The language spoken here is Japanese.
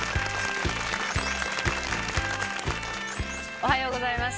おはようございます。